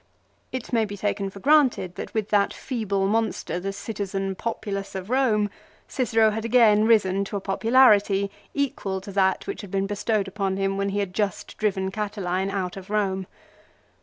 It may be taken for granted that with that feeble monster, the citizen populace of Eome, Cicero had again risen to a popularity equal to that which had been bestowed upon him when he had just driven Catiline out of Eome.